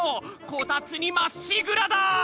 こたつにまっしぐらだ！